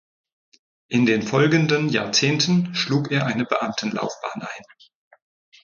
In den folgenden Jahrzehnten schlug er eine Beamtenlaufbahn ein.